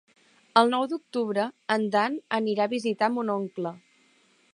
El nou d'octubre en Dan anirà a visitar mon oncle.